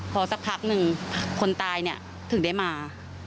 พอสักพักคนตายถึงได้มา